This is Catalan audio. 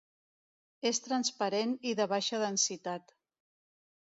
És transparent i de baixa densitat.